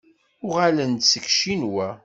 Uɣalen-d seg Ccinwa.